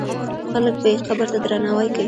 خلک به یې قبر ته درناوی کوي.